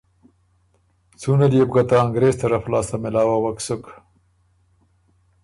څُون ال يې بو که ته انګرېز طرف لاسته مېلاؤوَک سُک۔